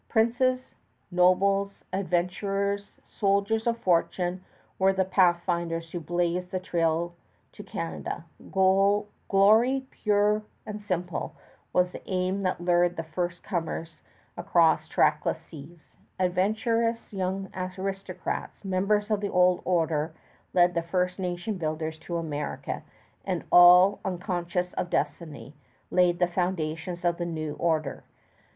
Princes, nobles, adventurers, soldiers of fortune, were the pathfinders who blazed the trail to Canada. Glory, pure and simple, was the aim that lured the first comers across the trackless seas. Adventurous young aristocrats, members of the Old Order, led the first nation builders to America, and, all unconscious of destiny, laid the foundations of the New Order.